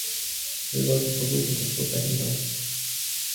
Wir sollten versuchen, das zu verhindern.